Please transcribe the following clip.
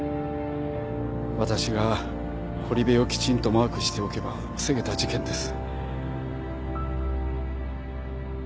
私が堀部をきちんとマークしておけば防げた事件です